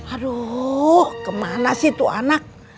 aduh kemana sih itu anak